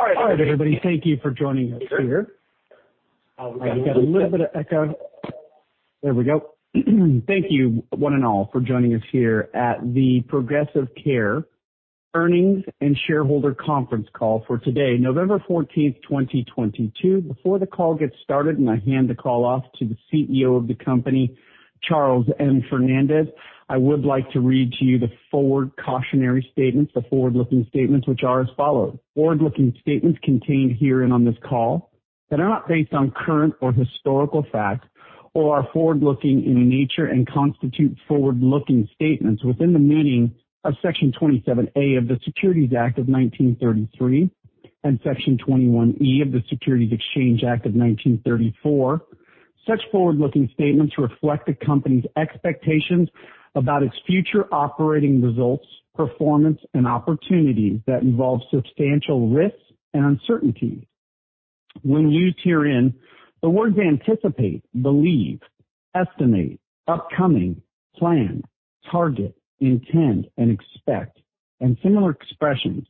All right, everybody. Thank you for joining us here. I've got a little bit of echo. There we go. Thank you one and all for joining us here at the Progressive Care Earnings and Shareholder Conference Call for today, November 14, 2022. Before the call gets started, and I hand the call off to the CEO of the company, Charles M. Fernandez, I would like to read to you the forward cautionary statements, the forward-looking statements which are as follows. Forward-looking statements contained herein on this call that are not based on current or historical facts or are forward-looking in nature and constitute forward-looking statements within the meaning of Section 27A of the Securities Act of 1933 and Section 21E of the Securities Exchange Act of 1934. Such forward-looking statements reflect the company's expectations about its future operating results, performance, and opportunities that involve substantial risks and uncertainties. When used herein, the words anticipate, believe, estimate, upcoming, plan, target, intend, and expect, and similar expressions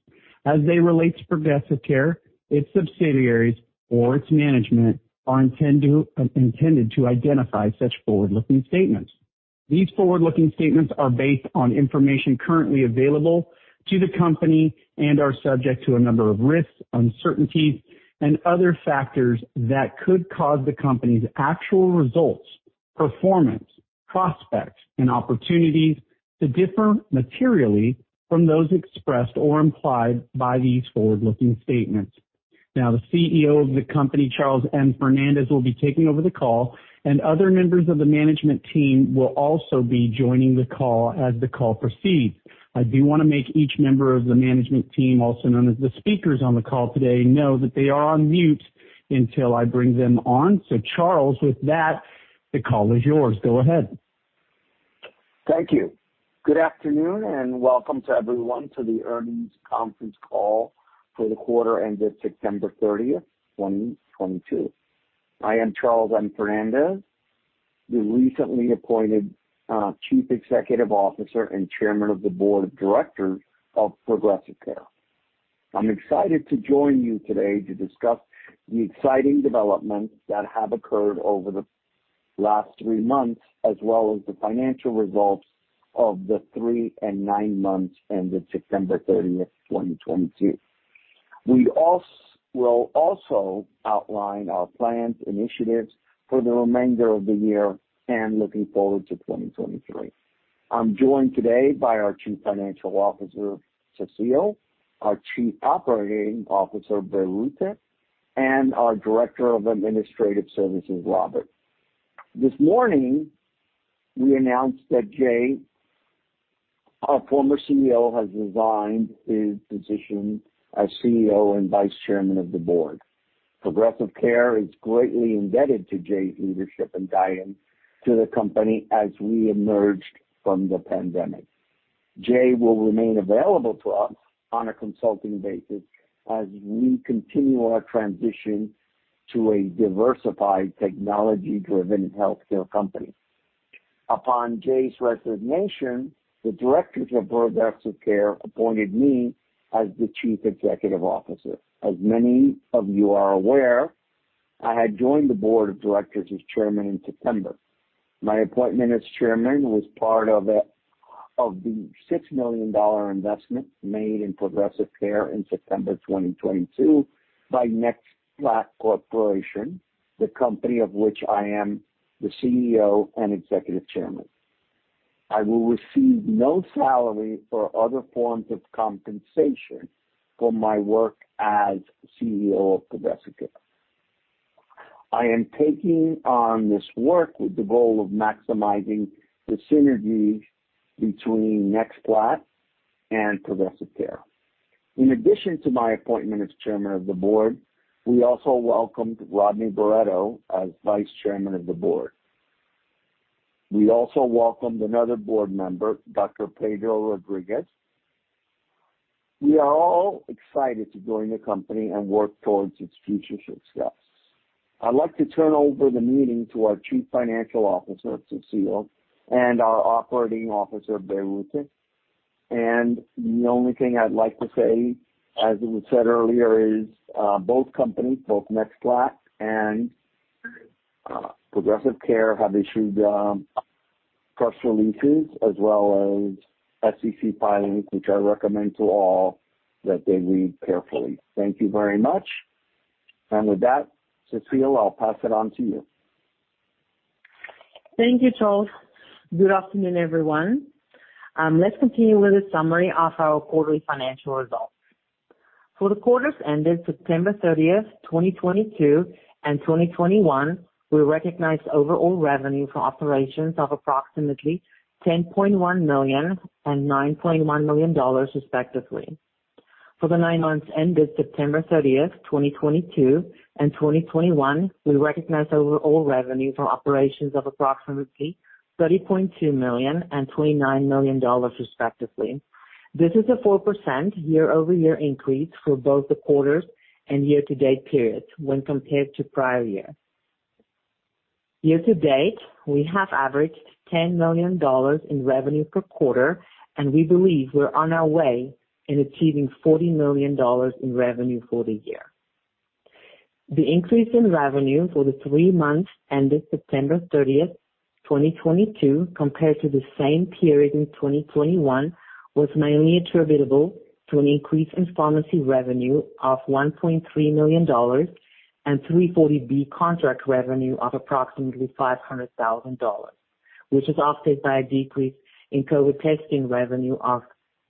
as they relate to Progressive Care, its subsidiaries or its management are intended to identify such forward-looking statements. These forward-looking statements are based on information currently available to the company and are subject to a number of risks, uncertainties, and other factors that could cause the company's actual results, performance, prospects, and opportunities to differ materially from those expressed or implied by these forward-looking statements. Now, the CEO of the company, Charles M. Fernandez, will be taking over the call, and other members of the management team will also be joining the call as the call proceeds. I do wanna make each member of the management team, also known as the speakers on the call today, know that they are on mute until I bring them on. Charles, with that, the call is yours. Go ahead. Thank you. Good afternoon, and welcome to everyone to the earnings conference call for the quarter ended September 30th, 2022. I am Charles M. Fernandez, the recently appointed Chief Executive Officer and Chairman of the Board of Directors of Progressive Care. I'm excited to join you today to discuss the exciting developments that have occurred over the last three months, as well as the financial results of the three and nine months ended September 30th, 2022. We also outline our plans, initiatives for the remainder of the year and looking forward to 2023. I'm joined today by our Chief Financial Officer, Cecile, our Chief Operating Officer, Birute, and our Director of Administrative Services, Robert. This morning, we announced that Jay, our former CEO, has resigned his position as CEO and Vice Chairman of the board. Progressive Care is greatly indebted to Jay's leadership and guidance to the company as we emerged from the pandemic. Jay will remain available to us on a consulting basis as we continue our transition to a diversified, technology-driven healthcare company. Upon Jay's resignation, the directors of Progressive Care appointed me as the chief executive officer. As many of you are aware, I had joined the board of directors as chairman in September. My appointment as chairman was part of the $6 million investment made in Progressive Care in September 2022 by NextPlat Corporation, the company of which I am the CEO and executive chairman. I will receive no salary or other forms of compensation for my work as CEO of Progressive Care. I am taking on this work with the goal of maximizing the synergies between NextPlat and Progressive Care. In addition to my appointment as chairman of the board, we also welcomed Rodney Barreto as vice chairman of the board. We also welcomed another board member, Dr. Pedro Rodriguez. We are all excited to join the company and work towards its future success. I'd like to turn over the meeting to our Chief Financial Officer, Cecile, and our Chief Operating Officer, Birute. The only thing I'd like to say, as it was said earlier, is both companies, both NextPlat and Progressive Care, have issued press releases as well as SEC filings, which I recommend to all that they read carefully. Thank you very much. With that, Cecile, I'll pass it on to you. Thank you, Charles. Good afternoon, everyone. Let's continue with a summary of our quarterly financial results. For the quarters ended September 30th, 2022, and 2021, we recognized overall revenue for operations of approximately $10.1 million and $9.1 million, respectively. For the nine months ended September 30th, 2022, and 2021, we recognized overall revenue for operations of approximately $30.2 million and $29 million, respectively. This is a 4% year-over-year increase for both the quarters and year-to-date periods when compared to prior year. Year-to-date, we have averaged $10 million in revenue per quarter, and we believe we're on our way in achieving $40 million in revenue for the year. The increase in revenue for the three months ended September 30th, 2022 compared to the same period in 2021, was mainly attributable to an increase in pharmacy revenue of $1.3 million and 340B contract revenue of approximately $500,000, which is offset by a decrease in COVID testing revenue of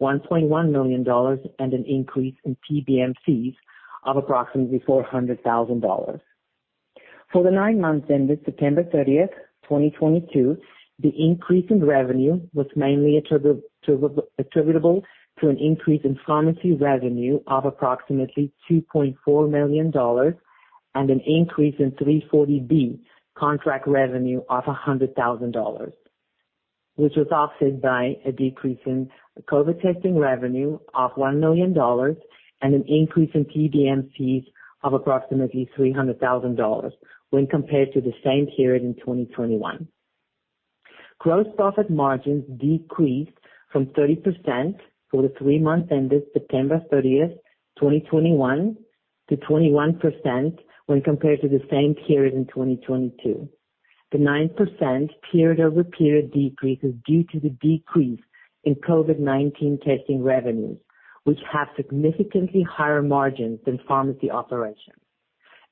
$1.1 million and an increase in PBM fees of approximately $400,000. For the nine months ended September 30th, 2022, the increase in revenue was mainly attributable to an increase in pharmacy revenue of approximately $2.4 million and an increase in 340B contract revenue of $100,000, which was offset by a decrease in COVID testing revenue of $1 million and an increase in PBM fees of approximately $300,000 when compared to the same period in 2021. Gross profit margins decreased from 30% for the three months ended September 30th, 2021 to 21% when compared to the same period in 2022. The 9% period-over-period decrease is due to the decrease in COVID-19 testing revenues, which have significantly higher margins than pharmacy operations.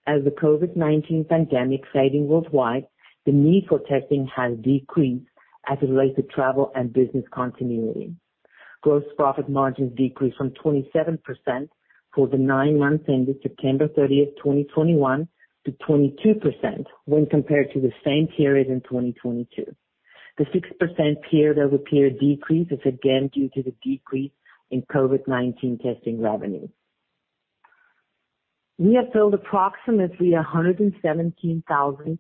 As the COVID-19 pandemic fading worldwide, the need for testing has decreased as it relates to travel and business continuity. Gross profit margins decreased from 27% for the nine months ended September 30th, 2021 to 22% when compared to the same period in 2022. The 6% period-over-period decrease is again due to the decrease in COVID-19 testing revenue. We have filled approximately 117,000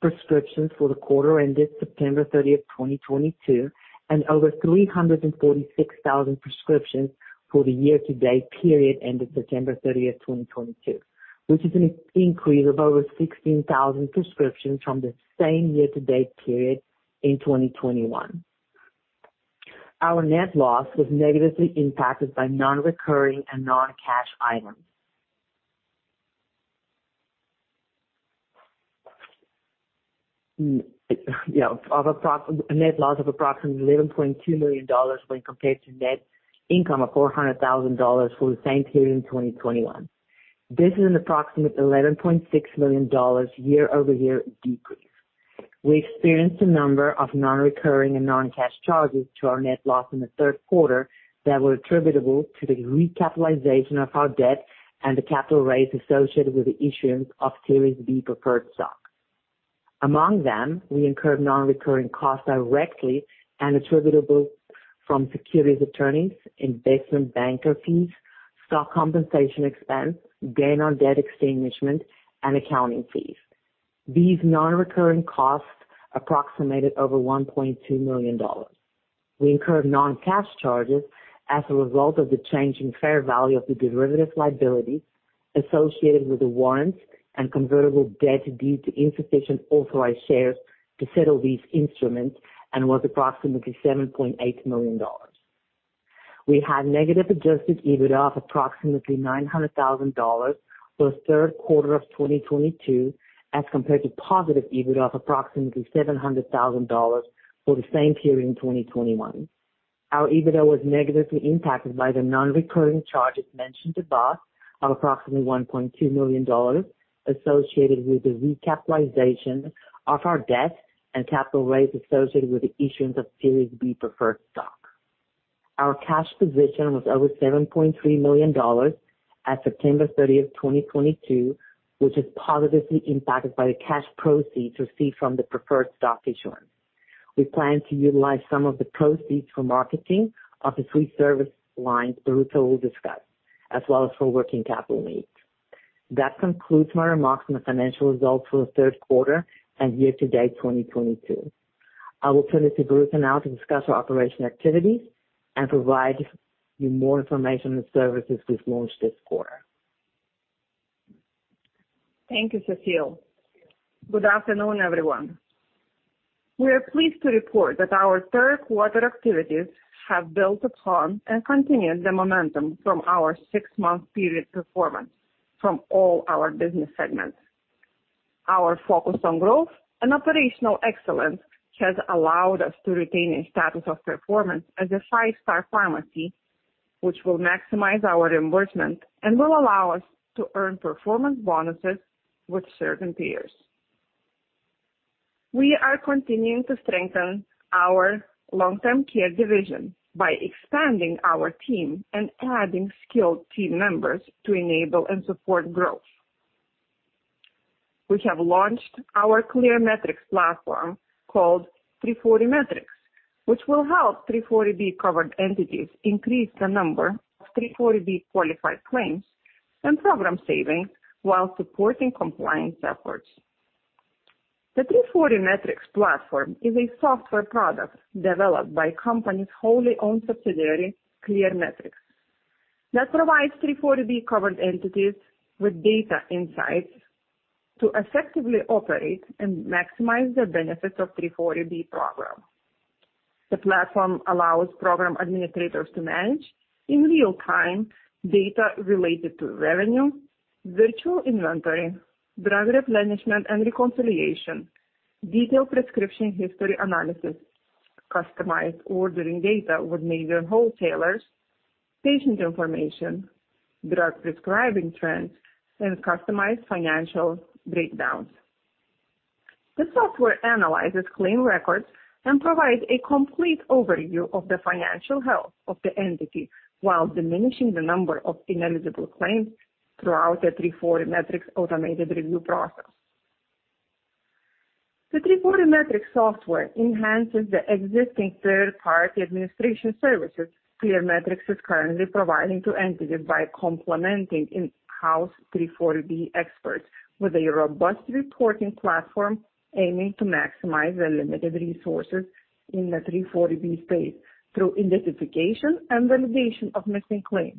prescriptions for the quarter ended September 30th, 2022, and over 346,000 prescriptions for the year-to-date period ended September 30th, 2022, which is an increase of over 16,000 prescriptions from the same year-to-date period in 2021. Our net loss was negatively impacted by non-recurring and non-cash items. Net loss of approximately $11.2 million when compared to net income of $400,000 for the same period in 2021. This is an approximate $11.6 million year-over-year decrease. We experienced a number of non-recurring and non-cash charges to our net loss in the third quarter that were attributable to the recapitalization of our debt and the capital raise associated with the issuance of Series B preferred stock. Among them, we incurred non-recurring costs directly and attributable from securities attorneys, investment banker fees, stock compensation expense, gain on debt extinguishment, and accounting fees. These non-recurring costs approximated over $1.2 million. We incurred non-cash charges as a result of the change in fair value of the derivative liability associated with the warrants and convertible debt due to insufficient authorized shares to settle these instruments, and was approximately $7.8 million. We had negative adjusted EBITDA of approximately $900,000 for the third quarter of 2022, as compared to positive EBITDA of approximately $700,000 for the same period in 2021. Our EBITDA was negatively impacted by the non-recurring charges mentioned above of approximately $1.2 million associated with the recapitalization of our debt and capital raise associated with the issuance of Series B preferred stock. Our cash position was over $7.3 million at September 30th, 2022, which is positively impacted by the cash proceeds received from the preferred stock issuance. We plan to utilize some of the proceeds for marketing of the three service lines Birute will discuss, as well as for working capital needs. That concludes my remarks on the financial results for the third quarter and year-to-date 2022. I will turn it to Birute now to discuss our operational activities and provide you more information on the services we've launched this quarter. Thank you, Cecile. Good afternoon, everyone. We are pleased to report that our third quarter activities have built upon and continued the momentum from our six-month period performance from all our business segments. Our focus on growth and operational excellence has allowed us to retain a status of performance as a five-star pharmacy, which will maximize our reimbursement and will allow us to earn performance bonuses with certain payers. We are continuing to strengthen our long-term care division by expanding our team and adding skilled team members to enable and support growth. We have launched our ClearMetrX platform called 340B Metrics, which will help 340B covered entities increase the number of 340B qualified claims and program savings while supporting compliance efforts. The 340B Metrics platform is a software product developed by the company's wholly owned subsidiary, ClearMetrX. That provides 340B covered entities with data insights to effectively operate and maximize the benefits of the 340B program. The platform allows program administrators to manage in real time data related to revenue, virtual inventory, drug replenishment and reconciliation, detailed prescription history analysis, customized ordering data with major wholesalers, patient information, drug prescribing trends and customized financial breakdowns. The software analyzes claim records and provides a complete overview of the financial health of the entity while diminishing the number of ineligible claims throughout the 340B Metrics automated review process. The 340B Metrics software enhances the existing third-party administration services ClearMetrX is currently providing to entities by complementing in-house 340B experts with a robust reporting platform aiming to maximize the limited resources in the 340B space through identification and validation of missing claims,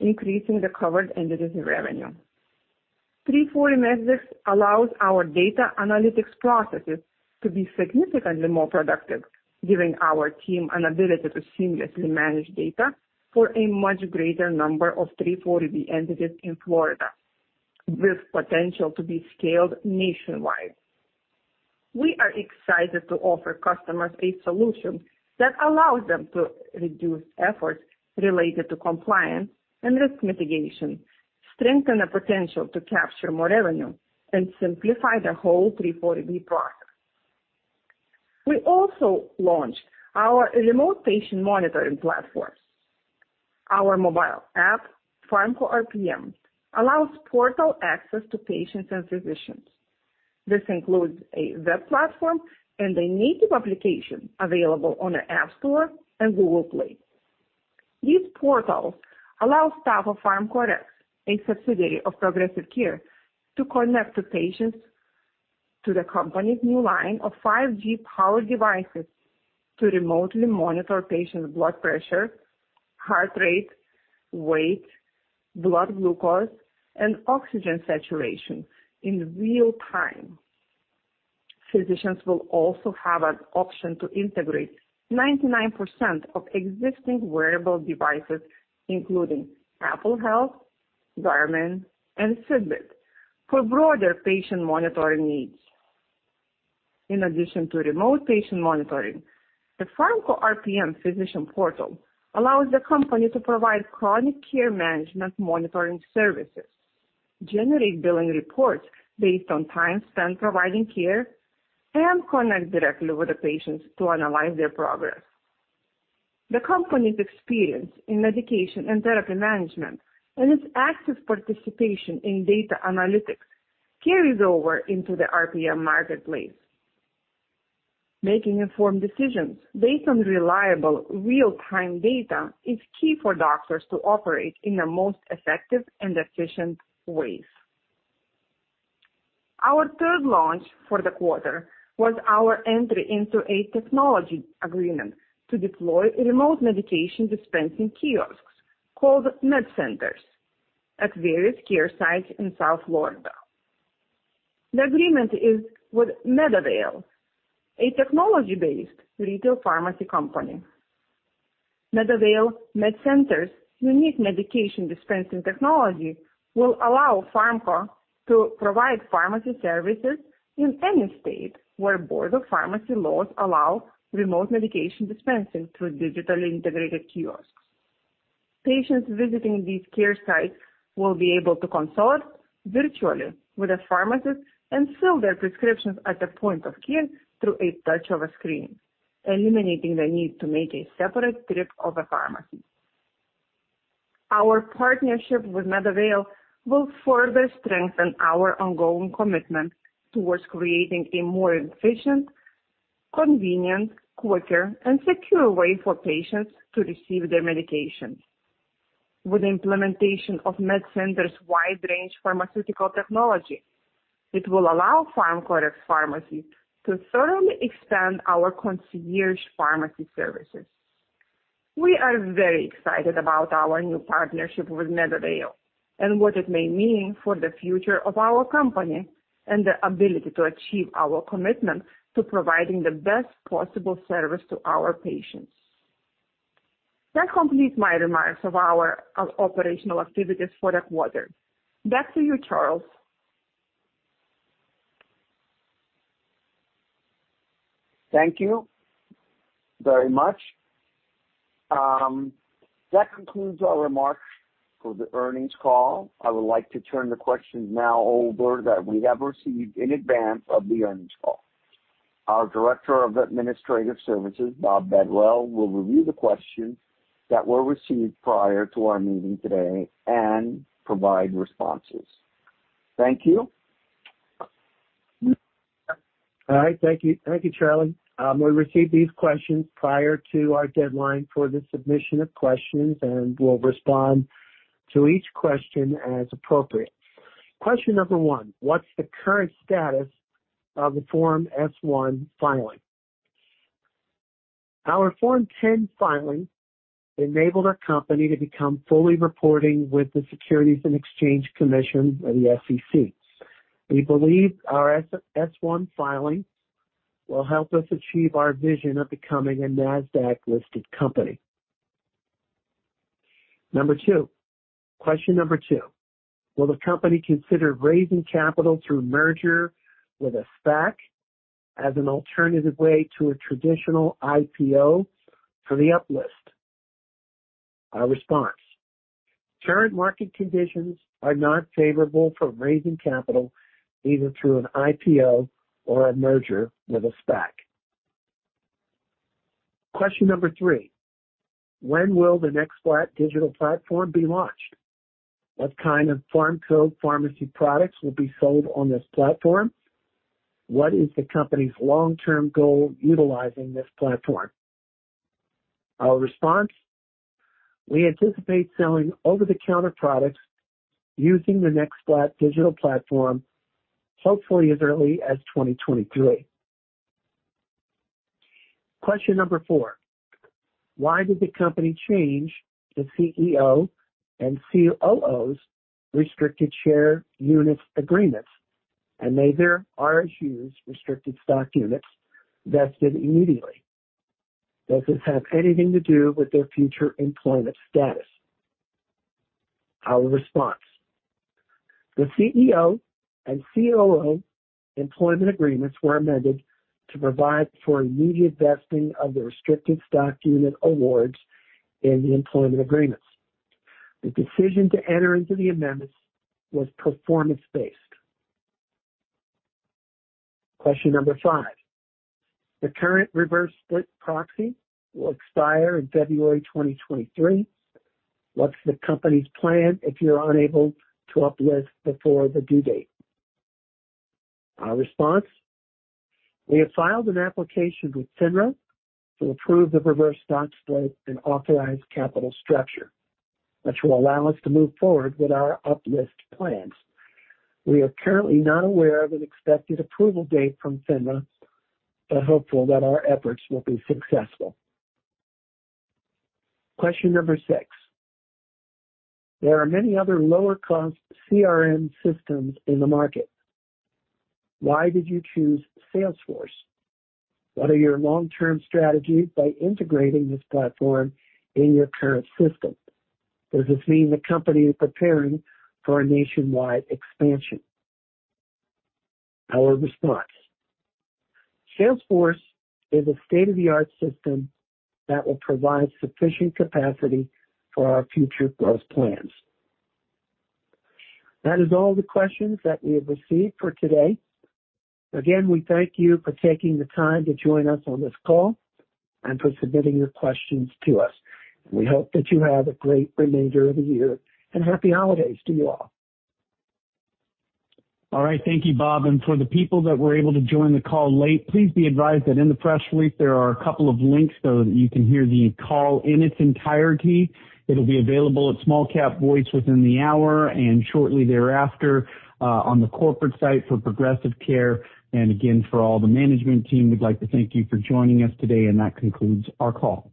increasing the covered entities' revenue. 340B Metrics allows our data analytics processes to be significantly more productive, giving our team an ability to seamlessly manage data for a much greater number of 340B entities in Florida with potential to be scaled nationwide. We are excited to offer customers a solution that allows them to reduce efforts related to compliance and risk mitigation, strengthen the potential to capture more revenue and simplify the whole 340B process. We also launched our remote patient monitoring platforms. Our mobile app, Pharmco RPM, allows portal access to patients and physicians. This includes a web platform and a native application available on the App Store and Google Play. These portals allow staff of Pharmco Rx, a subsidiary of Progressive Care, to connect the patients to the company's new line of 5G power devices to remotely monitor patients' blood pressure, heart rate, weight, blood glucose and oxygen saturation in real time. Physicians will also have an option to integrate 99% of existing wearable devices, including Apple Health, Garmin and Fitbit, for broader patient monitoring needs. In addition to remote patient monitoring, the Pharmco RPM physician portal allows the company to provide chronic care management monitoring services, generate billing reports based on time spent providing care, and connect directly with the patients to analyze their progress, The company's experience in medication and therapy management and its active participation in data analytics carries over into the RPM marketplace. Making informed decisions based on reliable real-time data is key for doctors to operate in the most effective and efficient ways. Our third launch for the quarter was our entry into a technology agreement to deploy remote medication dispensing kiosks called MedCenter at various care sites in South Florida. The agreement is with MedAvail, a technology-based retail pharmacy company. MedAvail MedCenter's unique medication dispensing technology will allow Pharmco to provide pharmacy services in any state where board of pharmacy laws allow remote medication dispensing through digitally integrated kiosks. Patients visiting these care sites will be able to consult virtually with a pharmacist and fill their prescriptions at the point of care through a touch of a screen, eliminating the need to make a separate trip to a pharmacy. Our partnership with MedAvail will further strengthen our ongoing commitment towards creating a more efficient, convenient, quicker and secure way for patients to receive their medications. With the implementation of MedCenter's wide range pharmaceutical technology, it will allow Pharmco Rx Pharmacy to further expand our concierge pharmacy services. We are very excited about our new partnership with MedAvail and what it may mean for the future of our company and the ability to achieve our commitment to providing the best possible service to our patients. That completes my remarks of our operational activities for the quarter. Back to you, Charles. Thank you very much. That concludes our remarks for the earnings call. I would like to turn the questions over now that we have received in advance of the earnings call. Our Director of Administrative Services, Robert Bedwell, will review the questions that were received prior to our meeting today and provide responses. Thank you. All right. Thank you. Thank you, Charlie. We received these questions prior to our deadline for the submission of questions, and we'll respond to each question as appropriate. Question number one, what's the current status of the Form S-1 filing? Our Form 10 filing enabled our company to become fully reporting with the Securities and Exchange Commission or the SEC. We believe our S-1 filing will help us achieve our vision of becoming a NASDAQ-listed company. Number two. Question number two. Will the company consider raising capital through merger with a SPAC as an alternative way to a traditional IPO for the up-list? Our response. Current market conditions are not favorable for raising capital either through an IPO or a merger with a SPAC. Question number three. When will the NextPlat digital platform be launched? What kind of Pharmco pharmacy products will be sold on this platform? What is the company's long-term goal utilizing this platform? Our response. We anticipate selling over-the-counter products using the NextPlat digital platform, hopefully as early as 2023. Question number four. Why did the company change the CEO and COO's restricted stock units agreements and made their RSUs restricted stock units vested immediately? Does this have anything to do with their future employment status? Our response. The CEO and COO employment agreements were amended to provide for immediate vesting of the restricted stock unit awards in the employment agreements. The decision to enter into the amendments was performance-based. Question number five. The current reverse stock split proxy will expire in February 2023. What's the company's plan if you're unable to uplist before the due date? Our response. We have filed an application with FINRA to approve the reverse stock split and authorized capital structure, which will allow us to move forward with our up-list plans. We are currently not aware of an expected approval date from FINRA, but hopeful that our efforts will be successful. Question number six. There are many other lower cost CRM systems in the market. Why did you choose Salesforce? What are your long-term strategies by integrating this platform in your current system? Does this mean the company is preparing for a nationwide expansion? Our response. Salesforce is a state-of-the-art system that will provide sufficient capacity for our future growth plans. That is all the questions that we have received for today. Again, we thank you for taking the time to join us on this call and for submitting your questions to us. We hope that you have a great remainder of the year, and happy holidays to you all. All right. Thank you, Bob. For the people that were able to join the call late, please be advised that in the press release there are a couple of links so that you can hear the call in its entirety. It'll be available at SmallCapVoice within the hour and shortly thereafter on the corporate site for Progressive Care. Again, for all the management team, we'd like to thank you for joining us today. That concludes our call.